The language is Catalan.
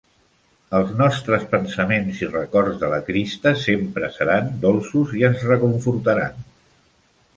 Els nostres pensaments i records de la Christa sempre seran dolços i ens reconfortaran.